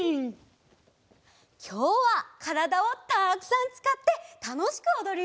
きょうはからだをたくさんつかってたのしくおどるよ！